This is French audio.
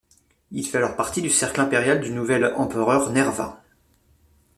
Il fait alors partie du cercle impérial du nouvel empereur Nerva.